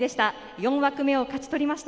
４枠目を勝ち取りました。